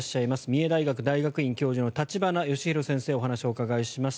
三重大学大学院教授の立花義裕先生にお話をお伺いします。